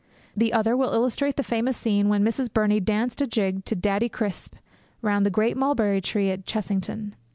The other will illustrate the famous scene when Miss Burney danced a jig to Daddy Crisp round the great mulberry tree at Chessington.